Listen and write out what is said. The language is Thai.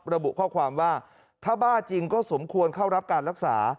ระบุข้อความว่าถ้าบ้าจริงก็สมควรเข้ารับการรักษา